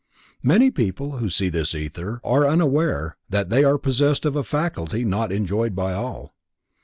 Many people who see this ether, are unaware that they are possessed of a faculty not enjoyed by all.